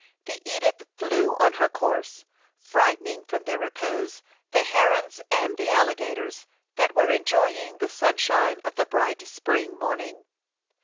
The Edith flew on her course, frightening from their repose the herons and the alligators that were enjoying the sunshine of the bright spring morning.